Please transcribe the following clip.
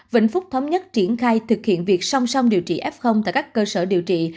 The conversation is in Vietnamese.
vĩnh phúc thống nhất triển khai thực hiện việc song song điều trị f tại các cơ sở điều trị